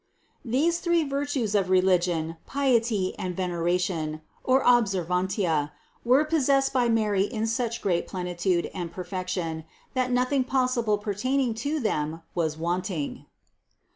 562. These three virtues of religion, piety and venera tion (observantia) were possessed by Mary in such great plenitude and perfection, that nothing possible pertain ing to them was wanting.